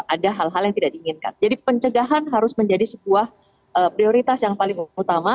ada hal hal yang tidak diinginkan jadi pencegahan harus menjadi sebuah prioritas yang paling utama